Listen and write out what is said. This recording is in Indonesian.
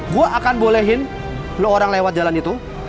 gue akan bolehin lo orang lewat jalan itu